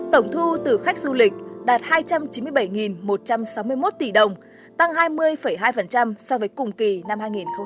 tổng thu từ khách du lịch đạt hai trăm chín mươi bảy một trăm sáu mươi một tỷ đồng tăng hai mươi hai so với cùng kỳ năm hai nghìn một mươi tám